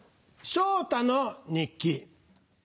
昇太の日記。